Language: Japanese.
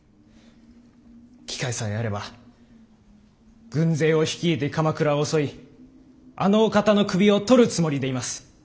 機会さえあれば軍勢を率いて鎌倉を襲いあのお方の首を取るつもりでいます。